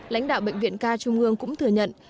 lãnh đạo bệnh viện ca trung ương cũng thừa nhận